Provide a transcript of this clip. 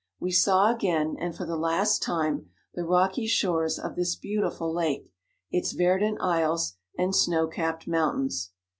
We saw again, and for the last time, the rocky shores of this beautiful lake, its verdant isles, and snow capt mountains.